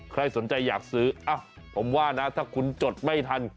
ใครสนใจอยากซื้อผมว่านะถ้าคุณจดไม่ทัน